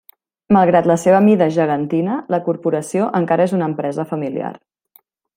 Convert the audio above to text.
Malgrat la seva mida gegantina, la corporació encara és una empresa familiar.